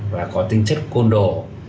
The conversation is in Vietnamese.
và có tinh chất côn đồ